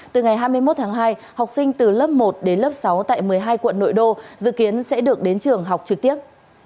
từ ngày hai mươi một tháng hai học sinh từ lớp một đến lớp sáu tại một mươi hai quận nội đô dự kiến sẽ được đến trường học trực tiếp